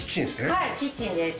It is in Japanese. はいキッチンです。